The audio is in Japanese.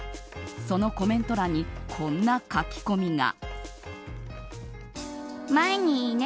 そのコメント欄にこんな書き込みが。